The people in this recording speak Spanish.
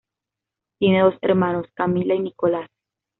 Tiene dos hermanos, Camila y Nicolás.